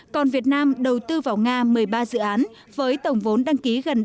còn việt nam đầu tư vào nga một mươi ba dự án với tổng vốn đăng ký gần ba tỷ usd